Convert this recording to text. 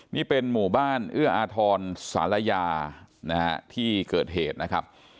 นี่เป็นหมู่บ้านเอื้ออธรณ์สาระยาที่เกิดเหตุนะครับ